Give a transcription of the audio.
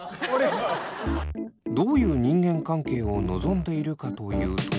どういう人間関係を望んでいるかというと。